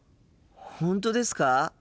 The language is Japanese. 本当ですか？